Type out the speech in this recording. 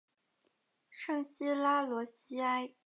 圣西拉罗西埃。